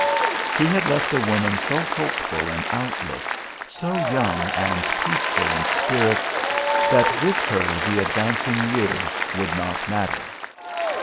He had left a woman so hopeful in outlook, so young and peaceful in spirit, that with her the advancing years would not matter.